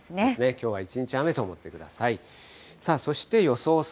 きょうは一日雨と思ってください。